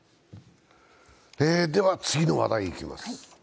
次の話題いきます。